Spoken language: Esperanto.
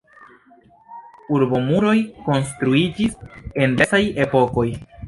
Urbomuroj konstruiĝis en diversaj epokoj.